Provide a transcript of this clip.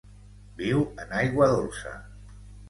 Viu en aigua dolça.